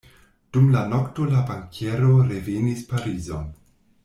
Dum la nokto la bankiero revenis Parizon.